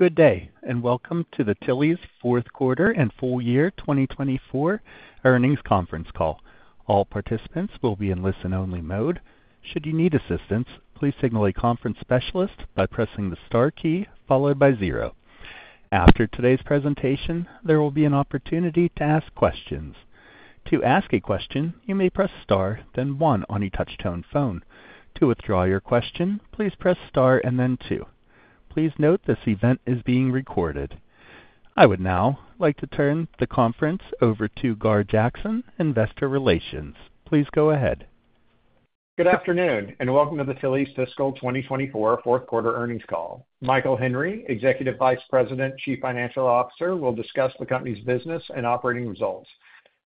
Good day, and Welcome to the Tillys' fourth quarter and full year 2024 earnings conference call. All participants will be in listen-only mode. Should you need assistance, please signal a conference specialist by pressing the star key followed by zero. After today's presentation, there will be an opportunity to ask questions. To ask a question, you may press star, then one on a touch-tone phone. To withdraw your question, please press star and then two. Please note this event is being recorded. I would now like to turn the conference over to Gar Jackson, Investor Relations. Please go ahead. Good afternoon, and Welcome to the Tillys' fiscal 2024 fourth quarter earnings call. Michael Henry, Executive Vice President, Chief Financial Officer, will discuss the company's business and operating results.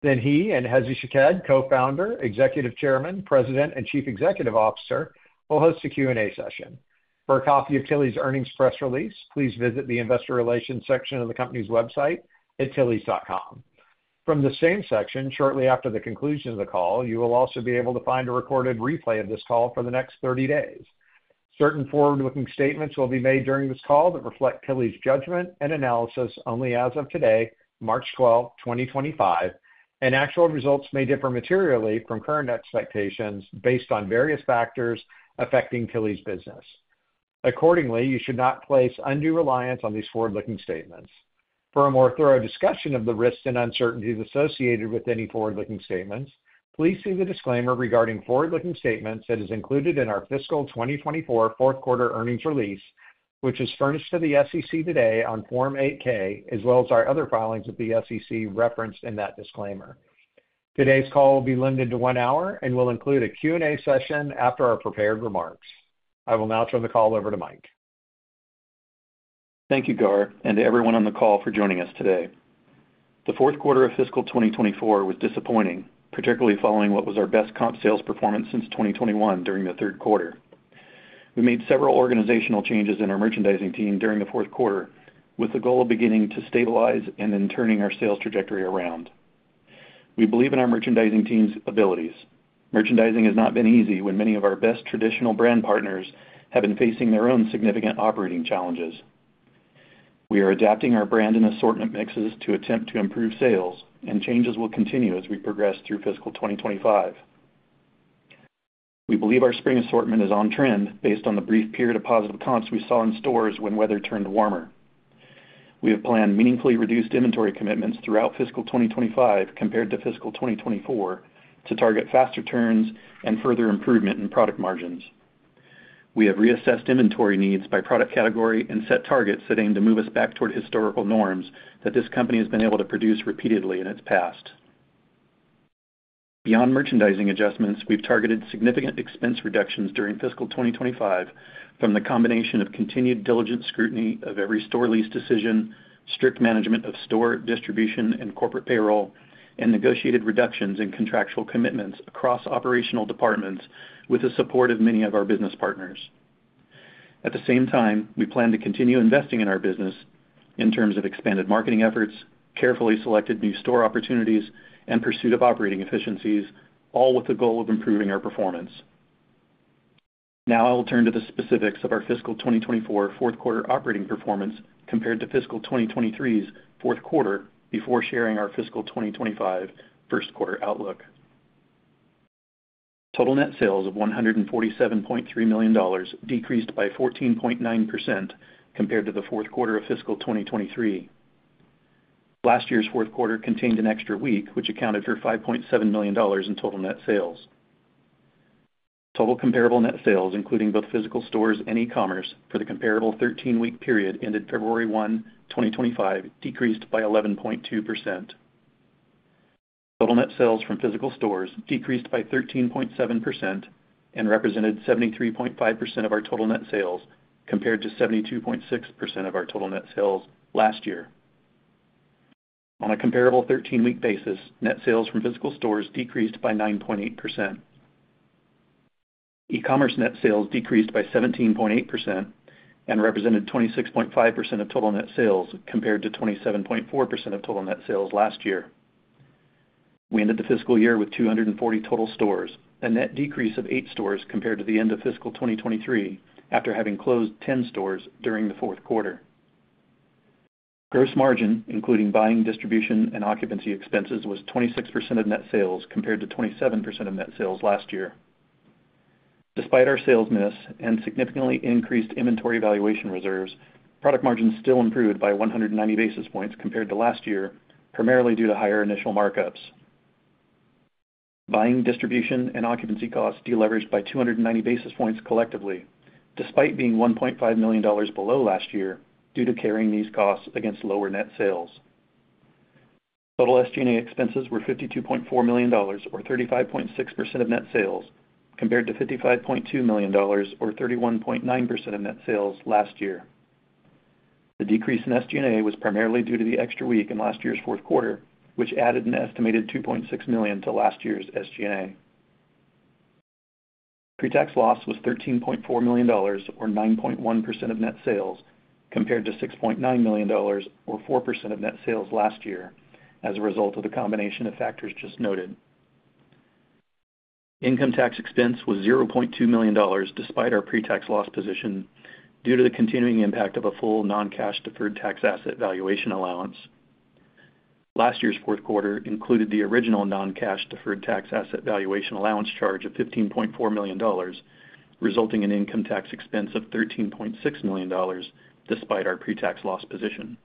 Then he and Hezy Shaked, Co-Founder, Executive Chairman, President, and Chief Executive Officer, will host a Q&A session. For a copy of Tillys' earnings press release, please visit the Investor Relations section of the company's website, at tillys.com. From the same section, shortly after the conclusion of the call, you will also be able to find a recorded replay of this call for the next 30 days. Certain forward-looking statements will be made during this call that reflect Tillys' judgment and analysis only as of today, March 12, 2025, and actual results may differ materially from current expectations based on various factors affecting Tillys' business. Accordingly, you should not place undue reliance on these forward-looking statements. For a more thorough discussion of the risks and uncertainties associated with any forward-looking statements, please see the disclaimer regarding forward-looking statements that is included in our fiscal 2024 fourth quarter earnings release, which is furnished to the SEC today on Form 8-K, as well as our other filings with the SEC referenced in that disclaimer. Today's call will be limited to one hour and will include a Q&A session after our prepared remarks. I will now turn the call over to Mike. Thank you, Gar, and to everyone on the call for joining us today. The fourth quarter of fiscal 2024 was disappointing, particularly following what was our best comp sales performance since 2021 during the third quarter. We made several organizational changes in our merchandising team during the fourth quarter with the goal of beginning to stabilize and then turning our sales trajectory around. We believe in our merchandising team's abilities. Merchandising has not been easy when many of our best traditional brand partners have been facing their own significant operating challenges. We are adapting our brand and assortment mixes to attempt to improve sales, and changes will continue as we progress through fiscal 2025. We believe our spring assortment is on trend based on the brief period of positive comps we saw in stores when weather turned warmer. We have planned meaningfully reduced inventory commitments throughout fiscal 2025 compared to fiscal 2024 to target faster turns and further improvement in product margins. We have reassessed inventory needs by product category and set targets that aim to move us back toward historical norms that this company has been able to produce repeatedly in its past. Beyond merchandising adjustments, we've targeted significant expense reductions during fiscal 2025 from the combination of continued diligent scrutiny of every store lease decision, strict management of store distribution and corporate payroll, and negotiated reductions in contractual commitments across operational departments with the support of many of our business partners. At the same time, we plan to continue investing in our business in terms of expanded marketing efforts, carefully selected new store opportunities, and pursuit of operating efficiencies, all with the goal of improving our performance. Now I will turn to the specifics of our fiscal 2024 fourth quarter operating performance compared to fiscal 2023's fourth quarter before sharing our fiscal 2025 first quarter outlook. Total net sales of $147.3 million decreased by 14.9% compared to the fourth quarter of fiscal 2023. Last year's fourth quarter contained an extra week, which accounted for $5.7 million in total net sales. Total comparable net sales, including both physical stores and e-commerce, for the comparable 13-week period ended February 1, 2025, decreased by 11.2%. Total net sales from physical stores decreased by 13.7% and represented 73.5% of our total net sales compared to 72.6% of our total net sales last year. On a comparable 13-week basis, net sales from physical stores decreased by 9.8%. E-commerce net sales decreased by 17.8% and represented 26.5% of total net sales compared to 27.4% of total net sales last year. We ended the fiscal year with 240 total stores and a net decrease of eight stores compared to the end of fiscal 2023 after having closed 10 stores during the fourth quarter. Gross margin, including buying, distribution, and occupancy expenses, was 26% of net sales compared to 27% of net sales last year. Despite our sales miss and significantly increased inventory valuation reserves, product margin still improved by 190 basis points compared to last year, primarily due to higher initial markups. Buying, distribution, and occupancy costs deleveraged by 290 basis points collectively, despite being $1.5 million below last year due to carrying these costs against lower net sales. Total SG&A expenses were $52.4 million, or 35.6% of net sales, compared to $55.2 million, or 31.9% of net sales last year. The decrease in SG&A was primarily due to the extra week in last year's fourth quarter, which added an estimated $2.6 million to last year's SG&A. Pre-tax loss was $13.4 million, or 9.1% of net sales, compared to $6.9 million, or 4% of net sales last year, as a result of the combination of factors just noted. Income tax expense was $0.2 million, despite our pre-tax loss position, due to the continuing impact of a full non-cash deferred tax asset valuation allowance. Last year's fourth quarter included the original non-cash deferred tax asset valuation allowance charge of $15.4 million, resulting in income tax expense of $13.6 million, despite our pre-tax loss position.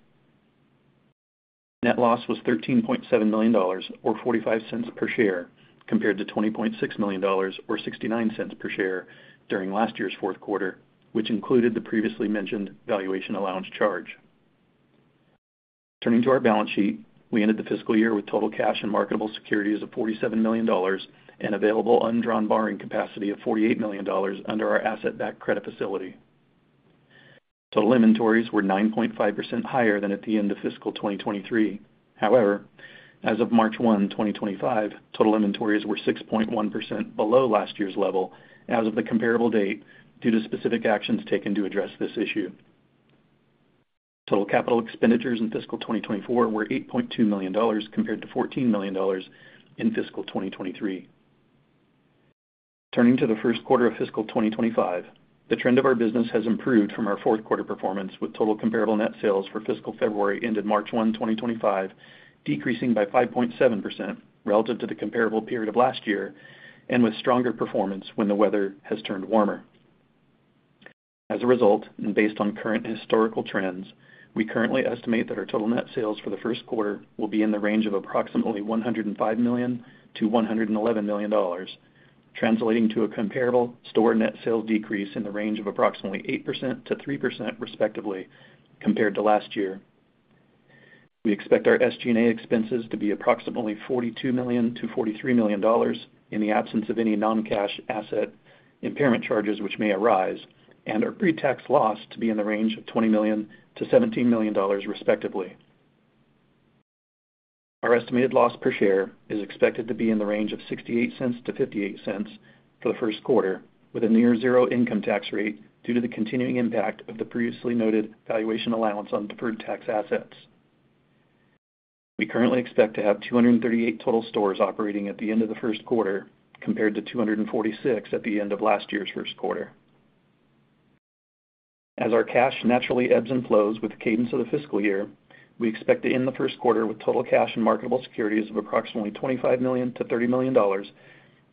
Net loss was $13.7 million, or 45 cents per share, compared to $20.6 million, or 69 cents per share during last year's fourth quarter, which included the previously mentioned valuation allowance charge. Turning to our balance sheet, we ended the fiscal year with total cash and marketable securities of $47 million and available undrawn borrowing capacity of $48 million under our asset-backed credit facility. Total inventories were 9.5% higher than at the end of fiscal 2023. However, as of March 1, 2025, total inventories were 6.1% below last year's level as of the comparable date due to specific actions taken to address this issue. Total capital expenditures in fiscal 2024 were $8.2 million, compared to $14 million in fiscal 2023. Turning to the first quarter of fiscal 2025, the trend of our business has improved from our fourth quarter performance, with total comparable net sales for fiscal February ended March 1, 2025, decreasing by 5.7% relative to the comparable period of last year and with stronger performance when the weather has turned warmer. As a result, and based on current historical trends, we currently estimate that our total net sales for the first quarter will be in the range of approximately $105 million-$111 million, translating to a comparable store net sales decrease in the range of approximately 8%-3%, respectively, compared to last year. We expect our SG&A expenses to be approximately $42 million-$43 million in the absence of any non-cash asset impairment charges which may arise, and our pre-tax loss to be in the range of $20 million-$17 million, respectively. Our estimated loss per share is expected to be in the range of $0.68-$0.58 for the first quarter, with a near-zero income tax rate due to the continuing impact of the previously noted valuation allowance on deferred tax assets. We currently expect to have 238 total stores operating at the end of the first quarter, compared to 246 at the end of last year's first quarter. As our cash naturally ebbs and flows with the cadence of the fiscal year, we expect to end the first quarter with total cash and marketable securities of approximately $25 million-$30 million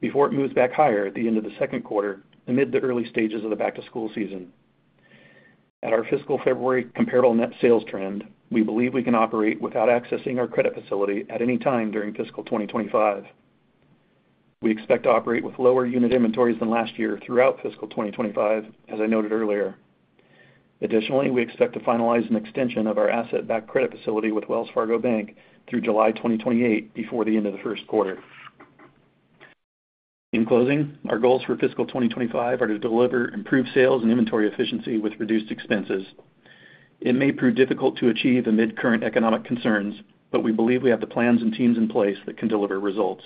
before it moves back higher at the end of the second quarter amid the early stages of the back-to-school season. At our fiscal February comparable net sales trend, we believe we can operate without accessing our credit facility at any time during fiscal 2025. We expect to operate with lower unit inventories than last year throughout fiscal 2025, as I noted earlier. Additionally, we expect to finalize an extension of our asset-backed credit facility with Wells Fargo Bank through July 2028 before the end of the first quarter. In closing, our goals for fiscal 2025 are to deliver improved sales and inventory efficiency with reduced expenses. It may prove difficult to achieve amid current economic concerns, but we believe we have the plans and teams in place that can deliver results.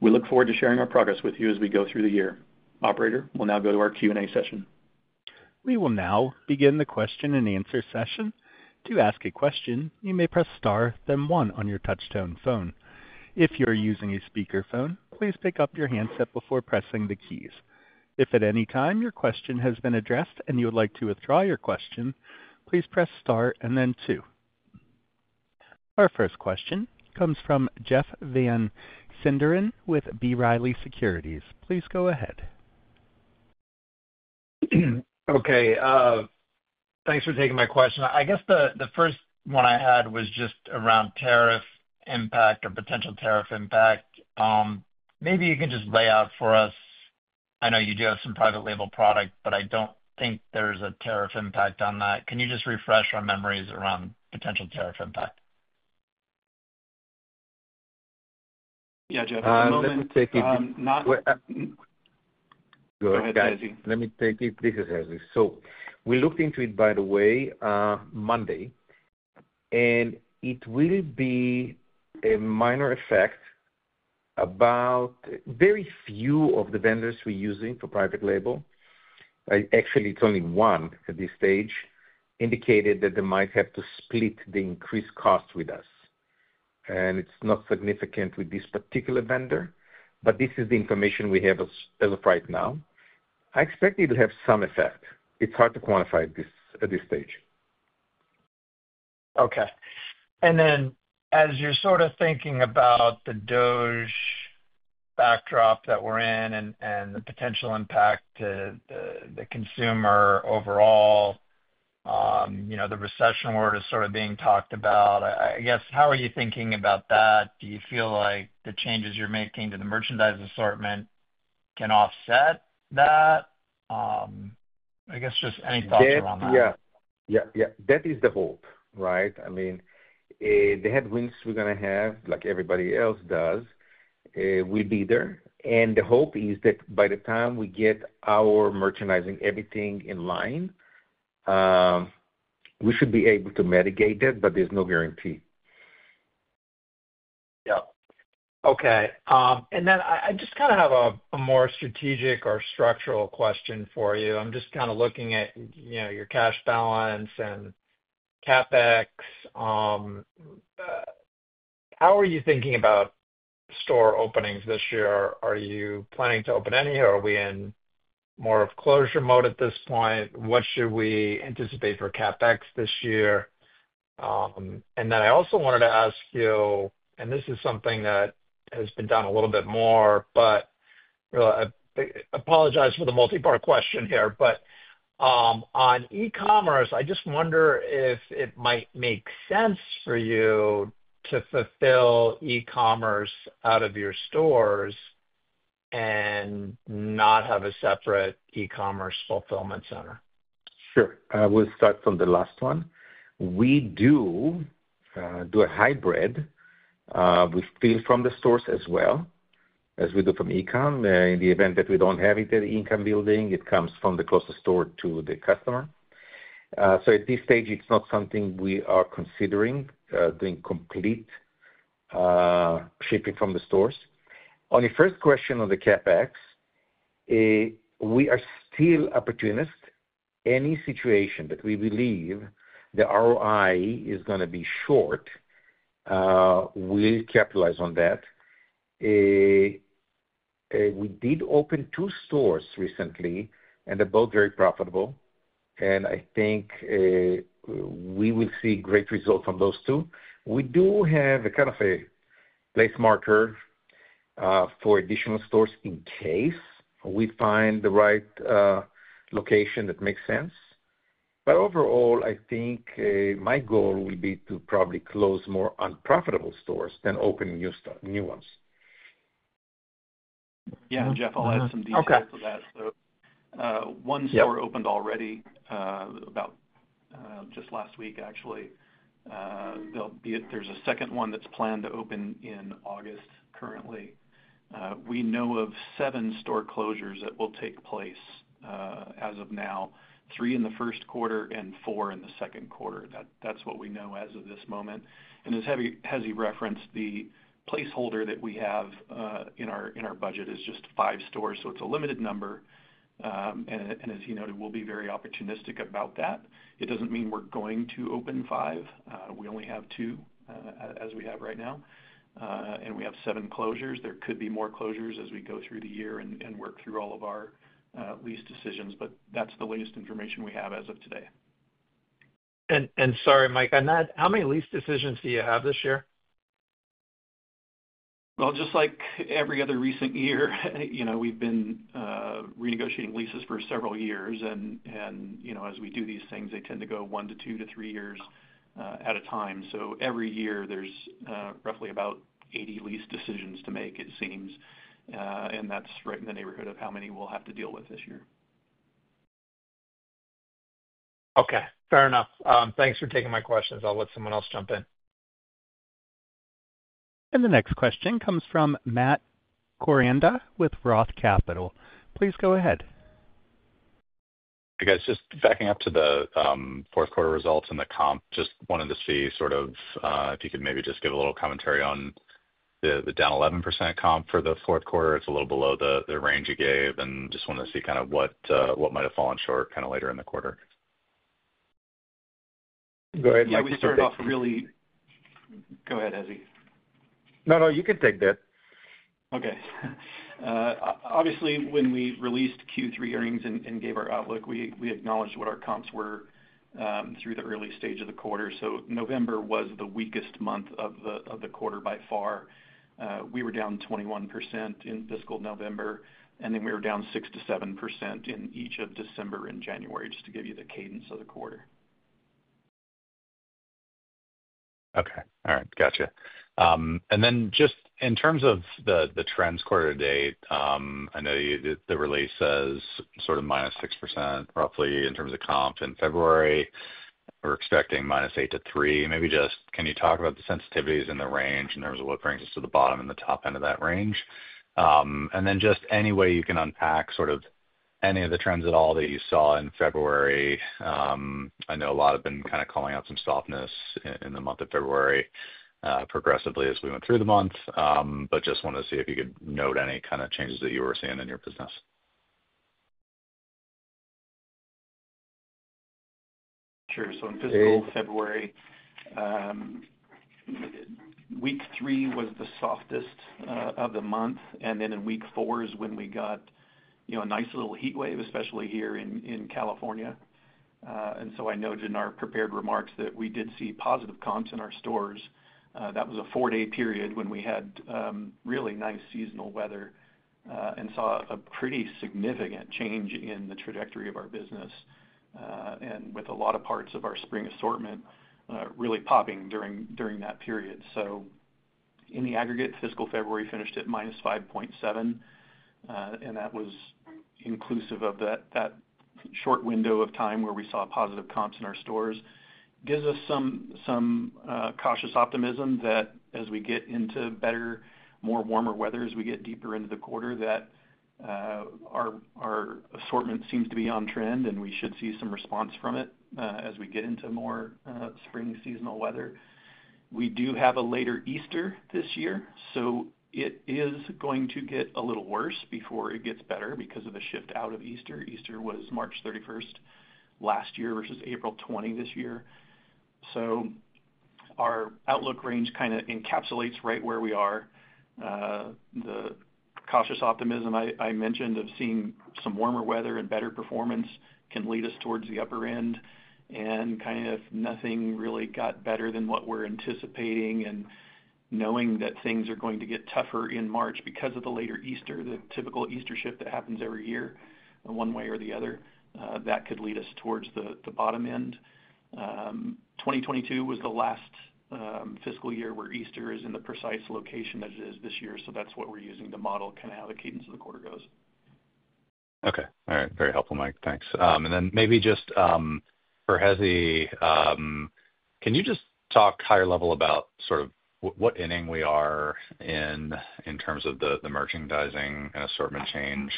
We look forward to sharing our progress with you as we go through the year. Operator, we'll now go to our Q&A session. We will now begin the question-and-answer session. To ask a question, you may press star, then one on your touch-tone phone. If you're using a speakerphone, please pick up your handset before pressing the keys. If at any time your question has been addressed and you would like to withdraw your question, please press star and then two. Our first question comes from Jeff Van Sinderen with B. Riley Securities. Please go ahead. Okay. Thanks for taking my question. I guess the first one I had was just around tariff impact or potential tariff impact. Maybe you can just lay out for us. I know you do have some private label product, but I do not think there is a tariff impact on that. Can you just refresh our memories around potential tariff impact? Yeah, Jeff. Let me take it. Go ahead, Hezy. Let me take it. This is Hezy. We looked into it, by the way, Monday, and it will be a minor effect. Very few of the vendors we're using for private label, actually, it's only one at this stage, indicated that they might have to split the increased cost with us. It's not significant with this particular vendor, but this is the information we have as of right now. I expect it will have some effect. It's hard to quantify at this stage. Okay. As you're sort of thinking about the macro backdrop that we're in and the potential impact to the consumer overall, the recession word is sort of being talked about, I guess, how are you thinking about that? Do you feel like the changes you're making to the merchandise assortment can offset that? I guess just any thoughts around that. Yeah. Yeah. That is the hope, right? I mean, the headwinds we're going to have, like everybody else does, will be there. The hope is that by the time we get our merchandising, everything in line, we should be able to mitigate that, but there's no guarantee. Yeah. Okay. I just kind of have a more strategic or structural question for you. I'm just kind of looking at your cash balance and CapEx. How are you thinking about store openings this year? Are you planning to open any, or are we in more of closure mode at this point? What should we anticipate for CapEx this year? I also wanted to ask you, and this is something that has been done a little bit more, but I apologize for the multi-part question here, on e-commerce, I just wonder if it might make sense for you to fulfill e-commerce out of your stores and not have a separate e-commerce fulfillment center. Sure. I will start from the last one. We do do a hybrid. We fill from the stores as well as we do from e-com. In the event that we do not have it at the e-com building, it comes from the closest store to the customer. At this stage, it is not something we are considering doing complete shipping from the stores. On your first question on the CapEx, we are still opportunists. Any situation that we believe the ROI is going to be short, we will capitalize on that. We did open two stores recently, and they are both very profitable. I think we will see great results from those two. We do have a kind of a place marker for additional stores in case we find the right location that makes sense. Overall, I think my goal will be to probably close more unprofitable stores than open new ones. Yeah, Jeff, I'll add some details to that. One store opened already about just last week, actually. There's a second one that's planned to open in August currently. We know of seven store closures that will take place as of now, three in the first quarter and four in the second quarter. That's what we know as of this moment. As Hezy referenced, the placeholder that we have in our budget is just five stores. It's a limited number. As he noted, we'll be very opportunistic about that. It doesn't mean we're going to open five. We only have two as we have right now. We have seven closures. There could be more closures as we go through the year and work through all of our lease decisions, but that's the latest information we have as of today. Sorry, Mike, on that, how many lease decisions do you have this year? Just like every other recent year, we've been renegotiating leases for several years. As we do these things, they tend to go one to two to three years at a time. Every year, there's roughly about 80 lease decisions to make, it seems. That's right in the neighborhood of how many we'll have to deal with this year. Okay. Fair enough. Thanks for taking my questions. I'll let someone else jump in. The next question comes from Matt Koranda with ROTH Capital. Please go ahead. Hey, guys. Just backing up to the fourth quarter results and the comp, just wanted to see sort of if you could maybe just give a little commentary on the down 11% comp for the fourth quarter. It's a little below the range you gave, and just wanted to see kind of what might have fallen short kind of later in the quarter. Go ahead. Yeah, we started off really. Go ahead, Hezy. No, no, you can take that. Okay. Obviously, when we released Q3 earnings and gave our outlook, we acknowledged what our comps were through the early stage of the quarter. November was the weakest month of the quarter by far. We were down 21% in fiscal November, and then we were down 6%-7% in each of December and January, just to give you the cadence of the quarter. Okay. All right. Gotcha. Just in terms of the trends quarter to date, I know the release says sort of -6% roughly in terms of comp in February. We're expecting -8%-3%. Maybe just can you talk about the sensitivities in the range in terms of what brings us to the bottom and the top end of that range? Just any way you can unpack sort of any of the trends at all that you saw in February. I know a lot have been kind of calling out some softness in the month of February progressively as we went through the month, just wanted to see if you could note any kind of changes that you were seeing in your business. Sure. In fiscal February, week three was the softest of the month, and in week four is when we got a nice little heat wave, especially here in California. I noted in our prepared remarks that we did see positive comps in our stores. That was a four-day period when we had really nice seasonal weather and saw a pretty significant change in the trajectory of our business, with a lot of parts of our spring assortment really popping during that period. In the aggregate, fiscal February finished at -5.7%, and that was inclusive of that short window of time where we saw positive comps in our stores. Gives us some cautious optimism that as we get into better, more warmer weather, as we get deeper into the quarter, that our assortment seems to be on trend and we should see some response from it as we get into more spring seasonal weather. We do have a later Easter this year, so it is going to get a little worse before it gets better because of the shift out of Easter. Easter was March 31 last year versus April 20 this year. Our outlook range kind of encapsulates right where we are. The cautious optimism I mentioned of seeing some warmer weather and better performance can lead us towards the upper end. Nothing really got better than what we're anticipating. Knowing that things are going to get tougher in March because of the later Easter, the typical Easter shift that happens every year one way or the other, that could lead us towards the bottom end. 2022 was the last fiscal year where Easter is in the precise location that it is this year. That is what we are using to model kind of how the cadence of the quarter goes. Okay. All right. Very helpful, Mike. Thanks. Maybe just for Hezy, can you just talk higher level about sort of what ending we are in in terms of the merchandising and assortment change?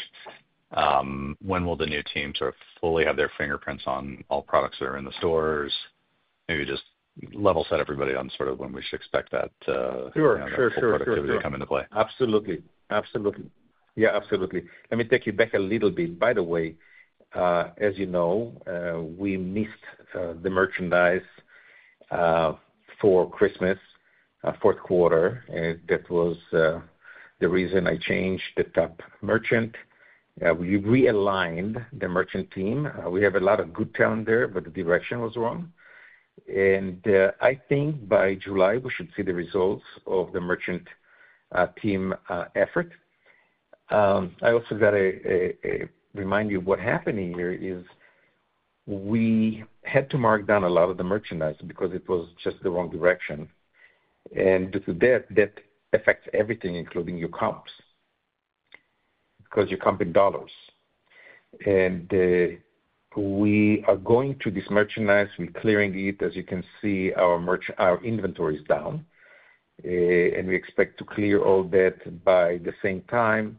When will the new team sort of fully have their fingerprints on all products that are in the stores? Maybe just level set everybody on sort of when we should expect that productivity to come into play. Sure. Absolutely. Yeah, absolutely. Let me take you back a little bit. By the way, as you know, we missed the merchandise for Christmas, fourth quarter. That was the reason I changed the top merchant. We realigned the merchant team. We have a lot of good talent there, but the direction was wrong. I think by July, we should see the results of the merchant team effort. I also got to remind you what happened here is we had to mark down a lot of the merchandise because it was just the wrong direction. Due to that, that affects everything, including your comps, because you're comping dollars. We are going to dismerchandise. We're clearing it. As you can see, our inventory is down, and we expect to clear all that by the same time.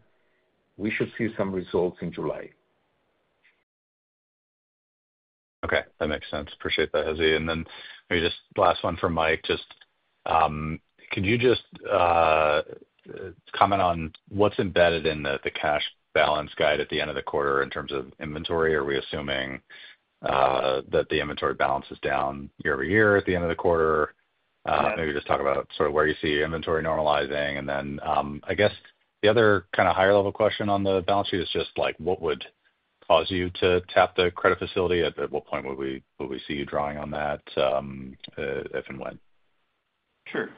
We should see some results in July. Okay. That makes sense. Appreciate that, Hezy. Maybe just last one for Mike. Could you just comment on what's embedded in the cash balance guide at the end of the quarter in terms of inventory? Are we assuming that the inventory balance is down year-over-year at the end of the quarter? Maybe just talk about sort of where you see inventory normalizing. I guess the other kind of higher-level question on the balance sheet is just like, what would cause you to tap the credit facility? At what point would we see you drawing on that, if and when? Sure.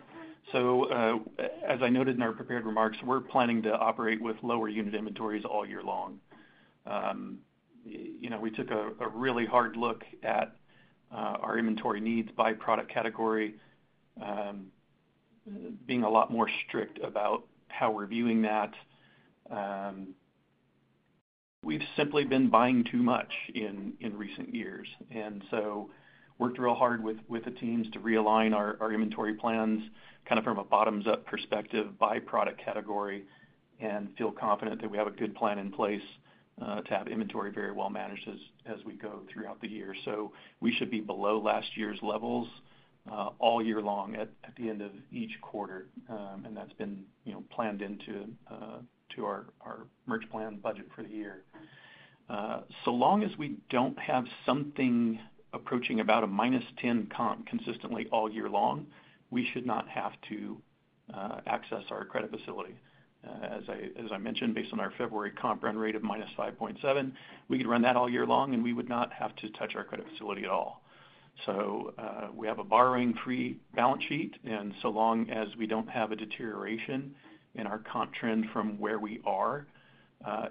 As I noted in our prepared remarks, we're planning to operate with lower unit inventories all year long. We took a really hard look at our inventory needs by product category, being a lot more strict about how we're viewing that. We've simply been buying too much in recent years. I worked real hard with the teams to realign our inventory plans kind of from a bottoms-up perspective by product category and feel confident that we have a good plan in place to have inventory very well managed as we go throughout the year. We should be below last year's levels all year long at the end of each quarter. That has been planned into our merch plan budget for the year. As long as we don't have something approaching about a -10% comp consistently all year long, we should not have to access our credit facility. As I mentioned, based on our February comp run rate of -5.7%, we could run that all year long, and we would not have to touch our credit facility at all. We have a borrowing-free balance sheet. As long as we don't have a deterioration in our comp trend from where we are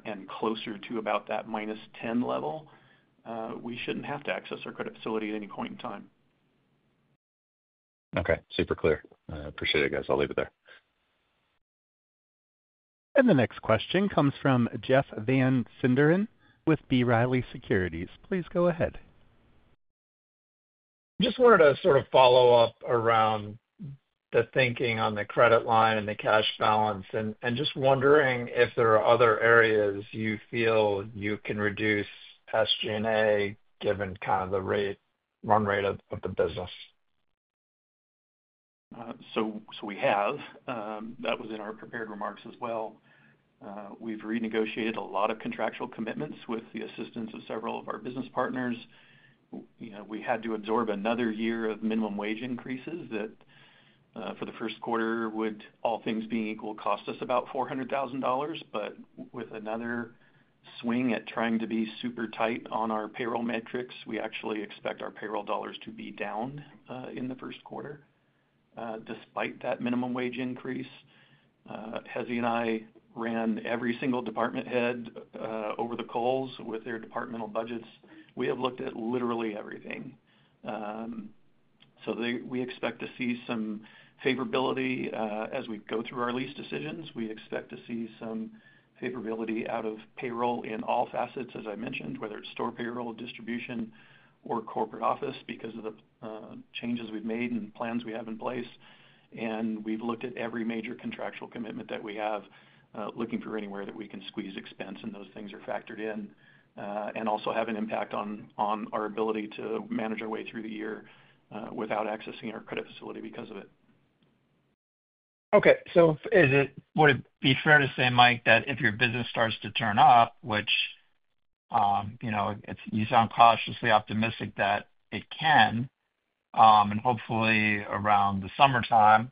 and closer to about that -10% level, we shouldn't have to access our credit facility at any point in time. Okay. Super clear. Appreciate it, guys. I'll leave it there. The next question comes from Jeff Van Sinderen with B. Riley Securities. Please go ahead. Just wanted to sort of follow up around the thinking on the credit line and the cash balance and just wondering if there are other areas you feel you can reduce SG&A given kind of the run rate of the business. We have. That was in our prepared remarks as well. We have renegotiated a lot of contractual commitments with the assistance of several of our business partners. We had to absorb another year of minimum wage increases that for the first quarter, with all things being equal, cost us about $400,000. With another swing at trying to be super tight on our payroll metrics, we actually expect our payroll dollars to be down in the first quarter despite that minimum wage increase. Hezy and I ran every single department head over the coals with their departmental budgets. We have looked at literally everything. We expect to see some favorability as we go through our lease decisions. We expect to see some favorability out of payroll in all facets, as I mentioned, whether it's store payroll, distribution, or corporate office because of the changes we've made and plans we have in place. We have looked at every major contractual commitment that we have, looking for anywhere that we can squeeze expense and those things are factored in and also have an impact on our ability to manage our way through the year without accessing our credit facility because of it. Okay. Would it be fair to say, Mike, that if your business starts to turn up, which you sound cautiously optimistic that it can, and hopefully around the summertime,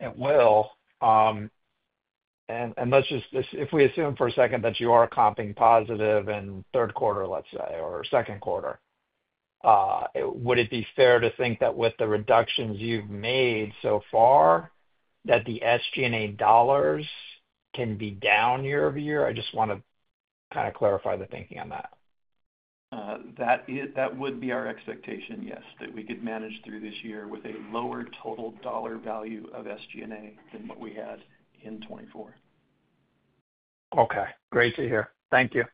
it will, and let's just if we assume for a second that you are comping positive in third quarter, let's say, or second quarter, would it be fair to think that with the reductions you've made so far that the SG&A dollars can be down year-over-year? I just want to kind of clarify the thinking on that. That would be our expectation, yes, that we could manage through this year with a lower total dollar value of SG&A than what we had in 2024. Okay. Great to hear. Thank you.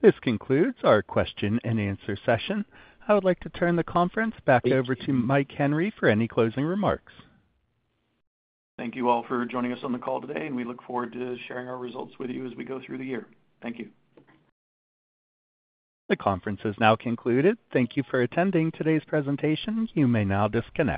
This concludes our question and answer session. I would like to turn the conference back over to Mike Henry for any closing remarks. Thank you all for joining us on the call today, and we look forward to sharing our results with you as we go through the year. Thank you. The conference is now concluded. Thank you for attending today's presentation. You may now disconnect.